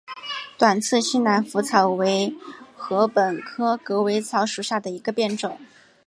短刺西南莩草为禾本科狗尾草属下的一个变种。